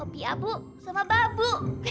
opie abu sama babu